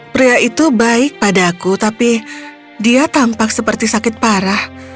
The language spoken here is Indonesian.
pria itu baik pada aku tapi dia tampak seperti sakit parah